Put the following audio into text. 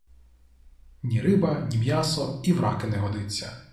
Ні риба, ні м’ясо, і в раки не годиться.